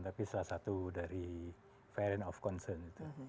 tapi salah satu dari variant of concern itu